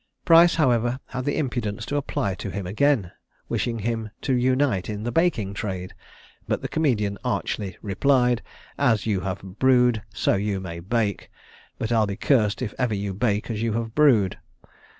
Price, however, had the impudence to apply to him again, wishing him to unite in the baking trade; but the comedian archly replied, "As you have brewed, so you may bake; but I'll be cursed if ever you bake as you have brewed!"